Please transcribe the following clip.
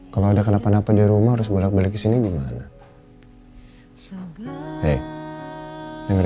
kalau adegan apa apa di rumah harus bersebut berusia zeldoz ini sangat tidak bisa diumurki